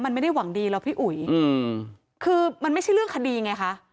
มันไม่ได้หวังดีหรอกพี่อุ๋ยอืมคือมันไม่ใช่เรื่องคดีไงคะ